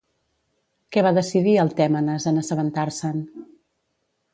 Què va decidir Altèmenes en assabentar-se'n?